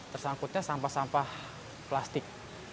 tersangkutnya sampah sampah plastik